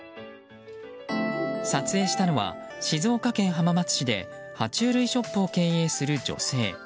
撮影したのは、静岡県浜松市で爬虫類ショップを経営する女性。